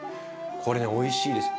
これねおいしいです。